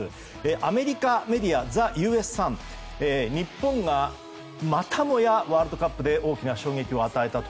アメリカメディアＴｈｅＵＳＳｕｎは日本がまたもやワールドカップで大きな衝撃を与えたと。